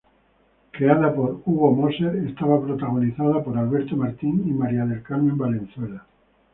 Creada por Hugo Moser, estaba protagonizada por Alberto Martín y María del Carmen Valenzuela.